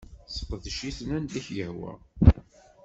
Sseqdec-iten anda k-yehwa.